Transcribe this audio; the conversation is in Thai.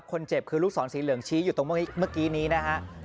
คนเจ็บคือลูกศรสีเหลืองชี้อยู่ตรงเมื่อกี้นี้นะฮะ